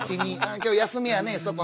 今日休みやねそこ。